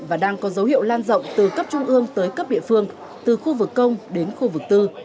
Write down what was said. và đang có dấu hiệu lan rộng từ cấp trung ương tới cấp địa phương từ khu vực công đến khu vực tư